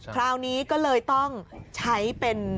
คราวนี้ก็เลยต้องใช้เป็น